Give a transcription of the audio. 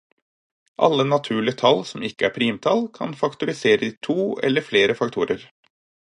Alle naturlige tall som ikke er primtall kan faktoriseres i to eller flere faktorer.